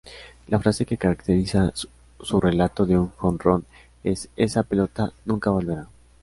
La frase que caracteriza su relato de un jonrón es "esa pelota nunca volverá".